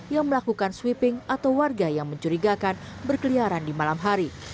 yang melakukan sweeping atau warga yang mencurigakan berkeliaran di malam hari